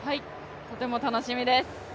とても楽しみです。